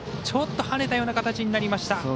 ちょっと、はねたような形になりました。